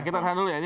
kita lihat dulu ya